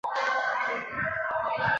弘农华阴人。